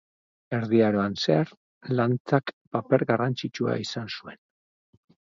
Erdi Aroan zehar, lantzak paper garrantzitsua izan zuen.